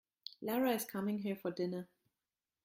Lara is coming here for dinner.